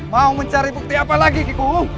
mau mencari bukti apa lagi kikumu